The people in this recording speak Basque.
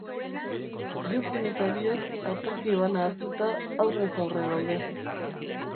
Jokin eta biok, aterki bana hartuta, aurrez aurre gaude.